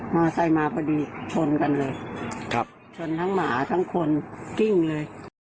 ไซค์มาพอดีชนกันเลยครับชนทั้งหมาทั้งคนกิ้งเลย